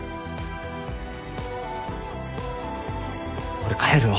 俺帰るわ。